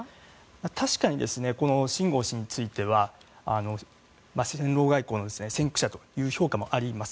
確かにこのシン・ゴウ氏については戦狼外交の先駆者という評価もあります。